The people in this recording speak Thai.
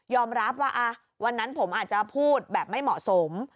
รับว่าวันนั้นผมอาจจะพูดแบบไม่เหมาะสม